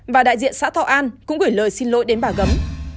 và đại diện xã thọ an cũng gửi lời xin lỗi đến bà gấm